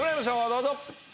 どうぞ。